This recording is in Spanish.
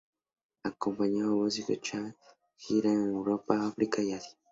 Acompañó al obispo Achával en una gira por Europa, África y Asia.